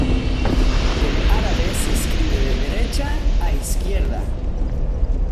El árabe se escribe de derecha a izquierda.